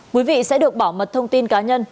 quý vị sẽ được bảo mật thông tin cá nhân